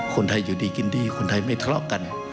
คนไทยอยู่ดีกินดีคนไทยไม่ทะเลาะกัน